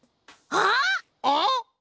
あっ！？